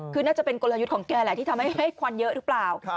คือน่าจะเป็นกลยุทธ์ของแกแหละที่ทำให้ควันเยอะหรือเปล่า